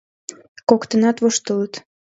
Коктынат воштылыт.